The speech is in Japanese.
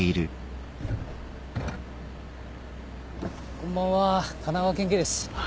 こんばんは神奈川県警です。